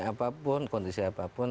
apapun kondisi apapun